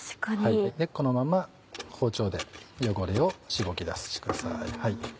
このまま包丁で汚れをしごき出してください。